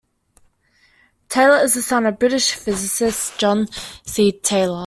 Taylor is the son of British physicist, John C. Taylor.